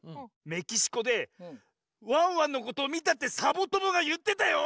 メキシコでワンワンのことをみたってサボともがゆってたよ！